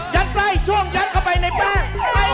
ใกล้ช่วงยัดเข้าไปในแป้ง